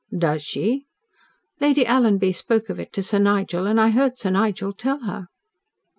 "Does she?" "Lady Alanby spoke of it to Sir Nigel, and I heard Sir Nigel tell her."